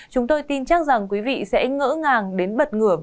chúng tôi tin chắc rằng quý vị sẽ ngỡ ngàng đến bật ngửa